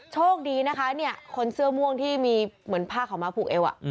โชคดีนะคะคนเสื้อม่วงที่มีเหมือนผ้าขาวม้าผูกเอว